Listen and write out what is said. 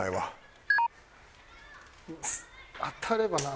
当たればな。